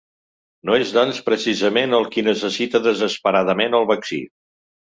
No és, doncs, precisament el qui necessita desesperadament el vaccí.